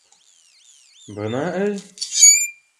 Бына әй!